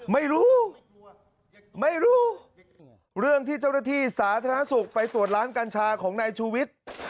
ไม่รู้ไม่รู้เรื่องที่เจ้าหน้าที่สาธารณสุขไปตรวจร้านกัญชาของนายชูวิทย์